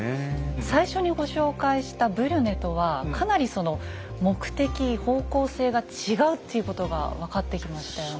最初にご紹介したブリュネとはかなりその目的方向性が違うっていうことが分かってきましたよね。